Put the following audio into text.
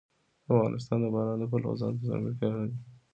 افغانستان د باران د پلوه ځانته ځانګړتیا لري.